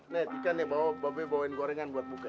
nih tika nih mbak be bawain gorengan buat muka ya